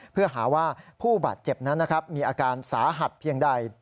เพื่อหาว่าผู้บาดเจ็บนั้นมีอาการสาหัสเพียงใด